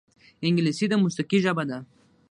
انګلیسي د موسیقۍ ژبه ده